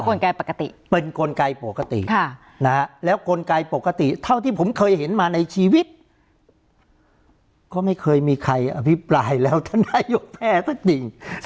ปกติเป็นกลไกปกติแล้วกลไกปกติเท่าที่ผมเคยเห็นมาในชีวิตก็ไม่เคยมีใครอภิปรายแล้วท่านนายกแพ้ก็จริง